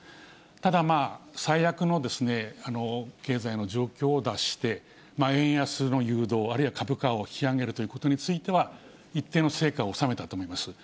ただ最悪の経済の状況を脱して、円安の誘導、あるいは株価を引き上げるということについては、一定の成果を収めたと思います。